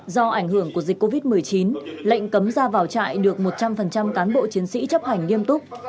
do ảnh hưởng của dịch covid một mươi chín lệnh cấm ra vào trại được một trăm linh cán bộ chiến sĩ chấp hành nghiêm túc